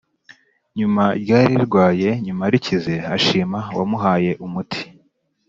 nyuma ryari rirwaye nuko rikize ashima uwamuhaye umuti.